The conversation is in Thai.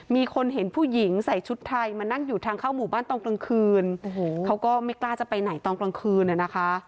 มีคนเห็นผู้หญิงใส่ชุดไทยมานั่งอยู่ทางเข้าหมู่บ้านตอนกลางคืนโอ้โหเขาก็ไม่กล้าจะไปไหนตอนกลางคืนอ่ะนะคะ